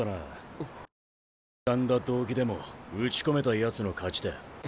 ゆがんだ動機でも打ち込めたやつの勝ちだ。